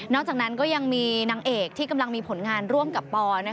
จากนั้นก็ยังมีนางเอกที่กำลังมีผลงานร่วมกับปอ